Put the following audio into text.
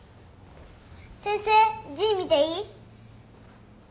先生字見ていい？